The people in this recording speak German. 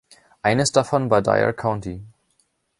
Eines davon war Dyer County.